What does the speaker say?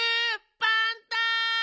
パンタ！